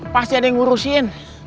pasti ada yang ngurusin